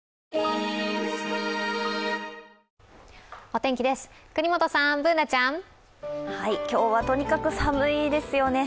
お天気です、國本さん、Ｂｏｏｎａちゃん。今日はとにかく寒いですよね。